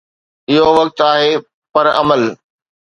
اهو وقت آهي پر عمل.